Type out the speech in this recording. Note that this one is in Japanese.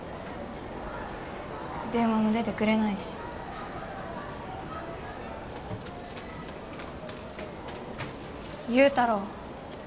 電話も出てくれないし祐太郎